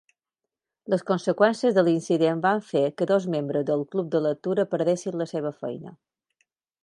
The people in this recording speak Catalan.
Les conseqüències de l'incident van fer que dos membres del club de lectura perdessin la seva feina.